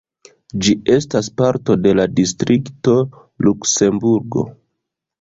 Ĝi estas parto de la distrikto Luksemburgo.